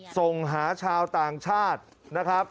ส่งหาชาวต่างชาตินะครับ